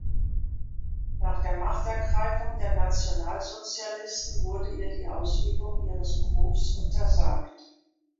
Nach der Machtergreifung der Nationalsozialisten wurde ihr die Ausübung ihres Berufs untersagt.